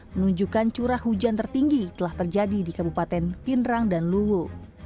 menunjukkan curah hujan tertinggi telah terjadi di kabupaten pindrang dan luwu